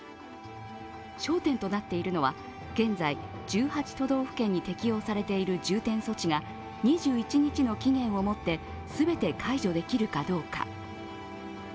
焦点となっているのは、現在１８都道府県に適用されている重点措置が、２１日の期限をもって全て解除できるかどうか。